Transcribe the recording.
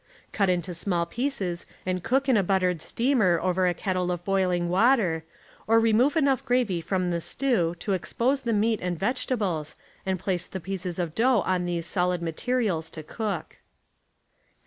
Cut into small pieces and cook in a buttered steamer over a kettle of boiling water or re move enough gravy from the stew to expose the meat and vege tables and jilaee the pieces of dough on these solid materials to cook.